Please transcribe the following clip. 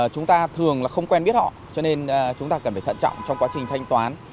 chúng ta thường là không quen biết họ cho nên chúng ta cần phải thận trọng trong quá trình thanh toán